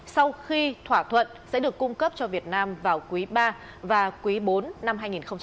sau khi thỏa thuận sẽ được cung cấp cho việt nam vào quý ba và quý bốn năm hai nghìn hai mươi